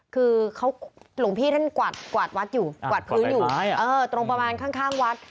คือหลวงพี่กวาดพื้นอยู่ตรงประมาณข้างวัด